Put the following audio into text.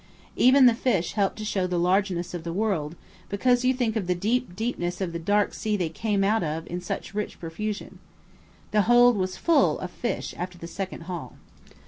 Even the fish help to show the largeness of the world, because you think of the deep deepness of the dark sea they come up out of in such rich profusion. The hold was full of fish after the second haul.